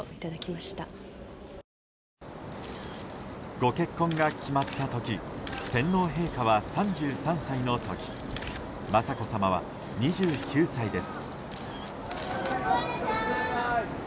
ご結婚が決まった時天皇陛下は３３歳の時雅子さまは２９歳です。